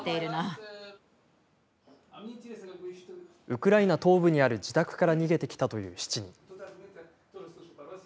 ウクライナ東部にある自宅から逃げてきたという７人。